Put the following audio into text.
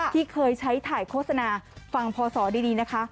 ที่เคยใช้ถ่ายโฆษณาฟังพศดีนะคะ